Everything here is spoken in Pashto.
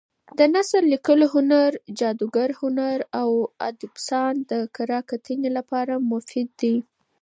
د نثر لیکلو هنر، جادګر هنر او ادبستان د کره کتنې لپاره مفید دي.